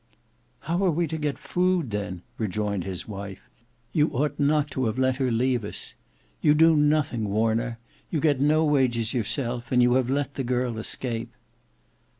"How are we to get food then?" rejoined his wife; "you ought not to have let her leave us. You do nothing, Warner. You get no wages yourself; and you have let the girl escape."